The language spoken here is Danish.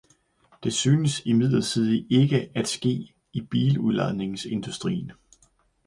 Det synes imidlertid ikke at ske i biludlejningsindustrien.